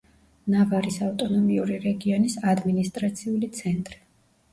ნავარის ავტონომიური რეგიონის ადმინისტრაციული ცენტრი.